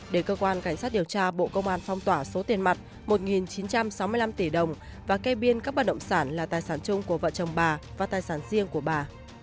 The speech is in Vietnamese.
để cơ quan cảnh sát điều tra bộ công an phong tỏa số tiền mặt một chín trăm sáu mươi năm tỷ đồng và kê biên các bất động sản là tài sản chung của vợ chồng bà và tài sản riêng của bà